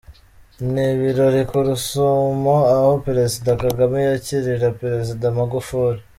Ni ibirori ku Rusumo, aho Perezida kagame yakirira Perezida Magufuli.